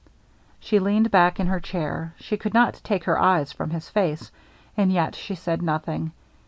She leaned back in her chair. She could not take her eyes from his face, and yet she said nothing.